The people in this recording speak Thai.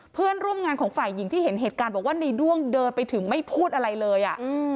เพื่อนร่วมงานของฝ่ายหญิงที่เห็นเหตุการณ์บอกว่าในด้วงเดินไปถึงไม่พูดอะไรเลยอ่ะ